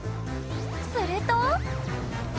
すると。